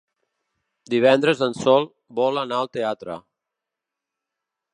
Divendres en Sol vol anar al teatre.